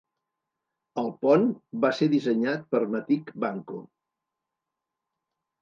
El pont va ser dissenyat per Matic Banko.